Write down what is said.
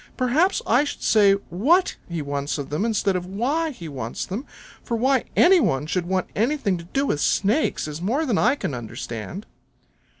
Perhaps I should say WHAT he wants of them instead of WHY he wants them, for why any one should want anything to do with Snakes is more then I can understand."